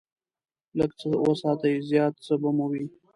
لږ څه وساتئ، زیات څه به مو وي.